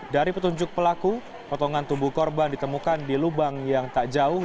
dari petunjuk pelaku potongan tubuh korban ditemukan di lubang yang tak jauh